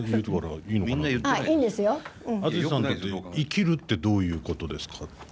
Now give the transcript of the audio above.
はい生きるはどういうことですか？